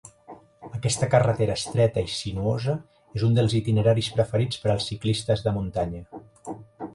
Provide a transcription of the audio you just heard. Aquesta carretera estreta i sinuosa es un dels itineraris preferits per als ciclistes de muntanya.